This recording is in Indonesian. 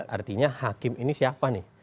artinya hakim ini siapa nih